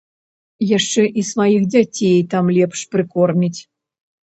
Яшчэ і сваіх дзяцей там лепш прыкорміць.